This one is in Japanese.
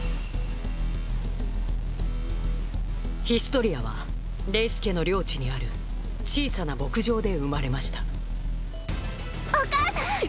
ヒストリアはレイス家の領地にある小さな牧場で生まれましたお母さん！